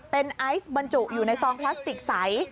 เป็นไอซ์บรรจุอยู่ในซองพลาสติกใส